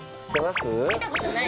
見たことない？